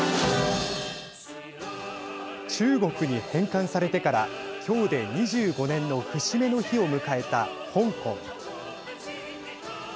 中国に返還されてからきょうで２５年の節目の日を迎えた香港。